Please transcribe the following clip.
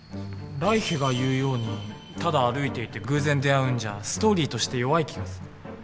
来緋が言うようにただ歩いていて偶然出会うんじゃストーリーとして弱い気がする。